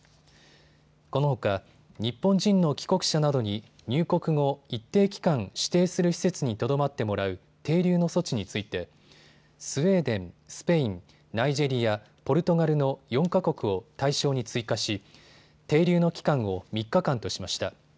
このほか日本人の帰国者などに入国後、一定期間、指定する施設にとどまってもらう停留の措置についてスウェーデン、スペイン、ナイジェリア、ポルトガルの４か国を対象に追加し、停留の期間を３日間としました。